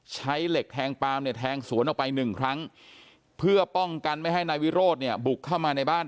ใช้เหล็กแทงปามเนี่ยแทงสวนออกไปหนึ่งครั้งเพื่อป้องกันไม่ให้นายวิโรธเนี่ยบุกเข้ามาในบ้าน